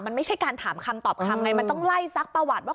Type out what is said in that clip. มันไม่ใช่การถามคำตอบคำไงมันต้องไล่ซักประวัติว่า